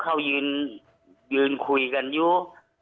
เขายืนคุยกันอยู่